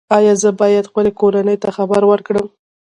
ایا زه باید خپلې کورنۍ ته خبر ورکړم؟